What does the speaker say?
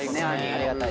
ありがたい。